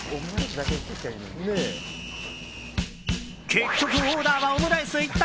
結局、オーダーはオムライス一択。